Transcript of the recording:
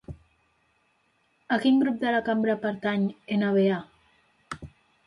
A quin grup de la cambra pertany N-VA?